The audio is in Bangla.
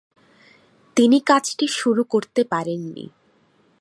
তিনি কাজটি শুরু করতে পারেন নি।